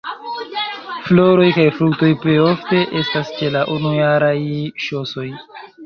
Floroj kaj fruktoj plej ofte estas ĉe la unujaraj ŝosoj.